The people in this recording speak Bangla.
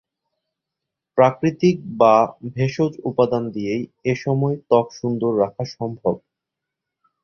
প্রাকৃতিক বা ভেষজ উপাদান দিয়েই এ সময় ত্বক সুন্দর রাখা সম্ভব।